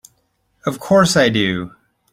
Of course I do!